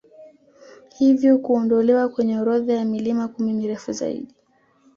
Hivyo kuondolewa kwenye orodha ya milima kumi mirefu zaidi